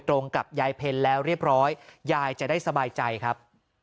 กับยายเพ็ญแล้วเรียบร้อยยายจะได้สบายใจครับ